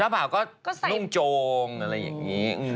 ใส่เบาก็นุ่งโจงอะไรอย่างงี้อืม